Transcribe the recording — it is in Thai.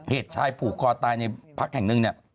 เหตุชายผูกคอตายในพรรคแห่งหนึ่ง